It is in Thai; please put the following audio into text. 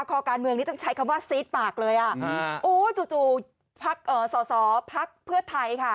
ข้อการเมืองนี้ต้องใช้คำว่าซีดปากเลยอ่ะอู๋จู่ภักดิ์สอสอภักดิ์เพื่อไทยค่ะ